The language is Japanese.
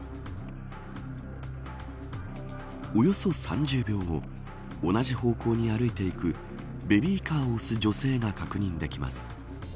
およそ３０秒後同じ方向に歩いていくベビーカーを押す女性が確認できます。